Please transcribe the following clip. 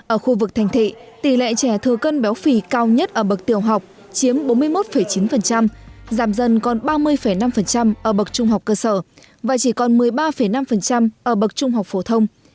ở khu vực thành thị tỷ lệ trẻ thừa cân béo phì cao nhất ở bậc tiểu học chiếm bốn mươi một chín giảm dần còn ba mươi năm ở bậc trung học cơ sở và chỉ còn một mươi ba năm ở bậc trung học phổ thông